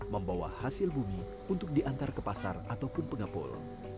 membawa hasil bumi untuk diantar ke pasar ataupun pengepul